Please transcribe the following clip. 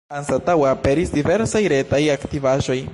Anstataŭe aperis diversaj retaj aktivaĵoj.